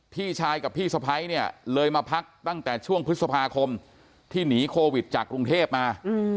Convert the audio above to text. พี่ชายกับพี่สะพ้ายเนี่ยเลยมาพักตั้งแต่ช่วงพฤษภาคมที่หนีโควิดจากกรุงเทพมา